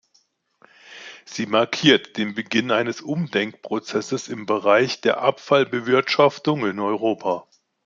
Sie markiert den Beginn eines Umdenkprozesses im Bereich der Abfallbewirtschaftung in Europa.